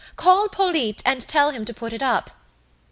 Call Polyte and tell him to put it up.